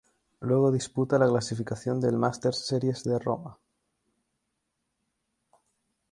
Luego disputa la clasificación del Masters Series de Roma.